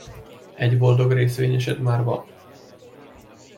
Egy boldog részvényesed már van.